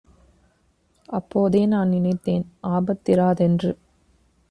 "அப்போதே நான்நினைத்தேன் ஆபத்திரா தென்று.